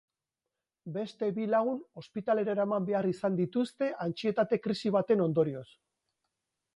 Beste bi lagun ospitalera eraman behar izan dituzte antsietate krisi baten ondorioz.